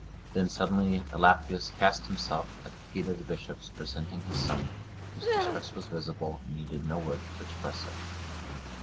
Then suddenly Elafius cast himself at the feet of the bishops, presenting his son, whose distress was visible and needed no words to express it.